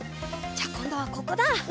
じゃあこんどはここだ。